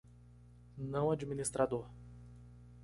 Não administrador